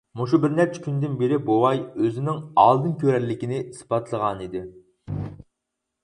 مۇشۇ بىرنەچچە كۈندىن بېرى بوۋاي ئۆزىنىڭ ئالدىن كۆرەرلىكىنى ئىسپاتلىغانىدى.